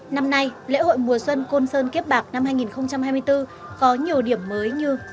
năm nay lễ hội mùa xuân côn sơn kiếp bạc năm hai nghìn hai mươi bốn có nhiều điểm mới như